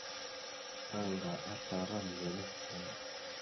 Anga aslara ndzœlœhɓer.